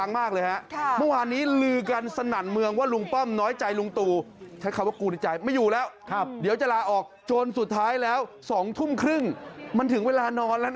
มันถึงเวลานอนแล้วน้า